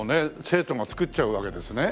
生徒が作っちゃうわけですね。